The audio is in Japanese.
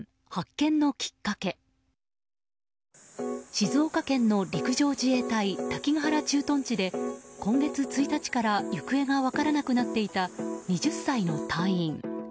静岡県の陸上自衛隊滝ヶ原駐屯地で今月１日から行方が分からなくなっていた２０歳の隊員。